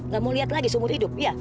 gak mau liat lagi seumur hidup iya